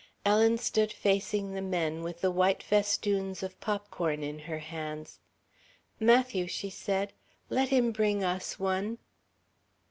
Ellen stood facing the men, with the white festoons of popcorn in her hands. "Matthew," she said, "let him bring us one."